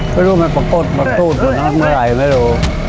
ไม่รู้มันปรากฎปรักฏว่านั้นเมื่อไรไม่รู้